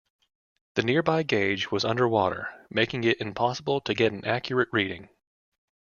The nearby gauge was underwater, making it impossible to get an accurate reading.